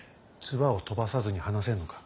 唾を飛ばさずに話せんのか。